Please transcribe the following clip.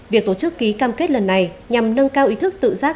việc tổ chức ký cam kết lần này nhằm nâng cao ý thức tự giác